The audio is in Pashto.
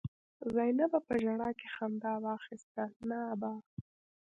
زينبه په ژړا کې خندا واخيسته: نه ابا!